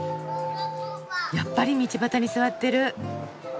やっぱり道端に座ってる。